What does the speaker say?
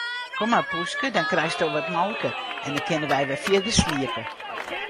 Kom mar poeske, dan krijsto wat molke en dan kinne wy wer fierder sliepe.